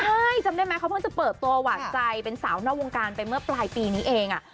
ใช่จำได้ไหมเขาเพิ่งจะเปิดตัวหวานใจเป็นสาวนอกวงการไปเมื่อปลายปีนี้เอง